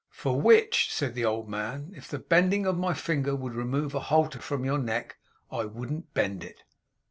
'For which,' said the old man, 'if the bending of my finger would remove a halter from your neck, I wouldn't bend it!